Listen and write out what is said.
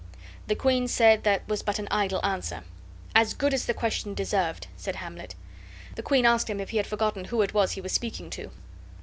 The queen said that was but an idle answer. "As good as the question deserved," said Hamlet. The queen asked him if he had forgotten who it was he was speaking to.